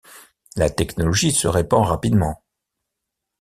La technologie se répands rapidement.